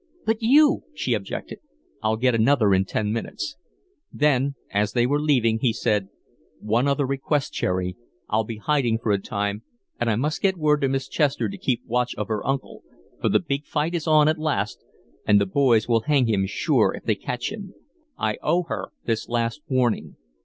"But you!" she objected. "I'll get another in ten minutes." Then, as they were leaving, he said: "One other request, Cherry. I'll be in hiding for a time, and I must get word to Miss Chester to keep watch of her uncle, for the big fight is on at last and the boys will hang him sure if they catch him. I owe her this last warning.